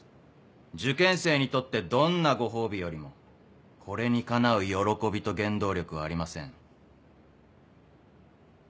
受験生にとってどんなご褒美よりもこれにかなう喜びと原動力はありません。